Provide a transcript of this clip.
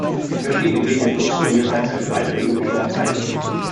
Ich möchte diese Gelegenheit nutzen und mir vielleicht eine weitere Minute Ihrer Zeit nehmen.